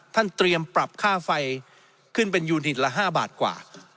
เตรียมปรับค่าไฟขึ้นเป็นยูนิตละ๕บาทกว่า